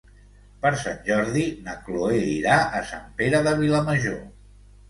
Per Sant Jordi na Cloè irà a Sant Pere de Vilamajor.